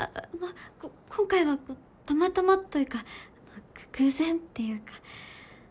こ今回はたまたまというか偶然っていうか。